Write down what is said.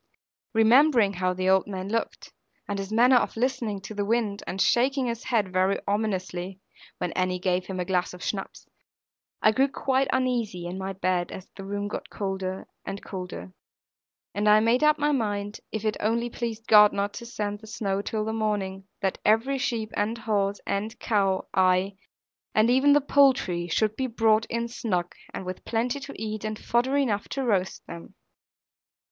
* The frost of 1625. Remembering how the old man looked, and his manner of listening to the wind and shaking his head very ominously (when Annie gave him a glass of schnapps), I grew quite uneasy in my bed, as the room got colder and colder; and I made up my mind, if it only pleased God not to send the snow till the morning, that every sheep, and horse, and cow, ay, and even the poultry, should be brought in snug, and with plenty to eat, and fodder enough to roast them.